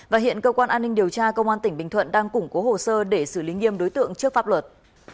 và hiện cơ quan an ninh điều tra công an tỉnh bình thuận đang củng cố hồ sơ để xử lý nghiêm đối tượng trước pháp luật